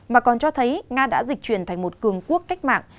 mà còn cho thấy nga đã dịch chuyển thành một cường quốc cách mạng